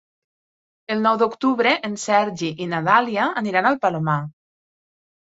El nou d'octubre en Sergi i na Dàlia aniran al Palomar.